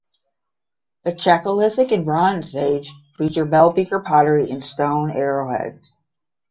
The Chalcolithic and Bronze Age feature bell beaker pottery and stone arrowheads.